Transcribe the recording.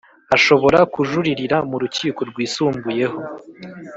Ashobora kujuririra mu rukiko rwisumbuyeho